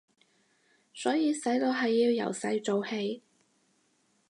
所以洗腦係要由細做起